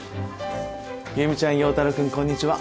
優実ちゃん陽太郎くんこんにちは。